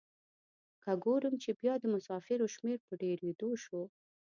که ګورم چې بیا د مسافرو شمیر په ډیریدو شو.